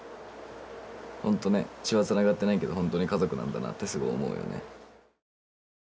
ほんとね血はつながってないけどほんとに家族なんだなってすごい思うよね。